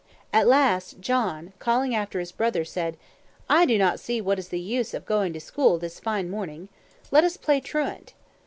At last, John, calling after his brother, said, "I do not see what is the use of going to school this fine morning; let us play truant."